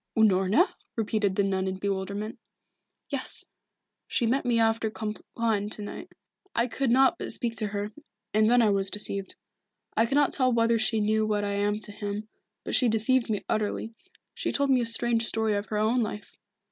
"Unorna?" repeated the nun in bewilderment. "Yes. She met me after Compline to night. I could not but speak to her, and then I was deceived. I cannot tell whether she knew what I am to him, but she deceived me utterly. She told me a strange story of her own life.